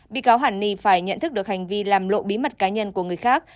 bị cáo hàn ni phải nhận thức được hành vi làm lộ bí mật cá nhân của người khác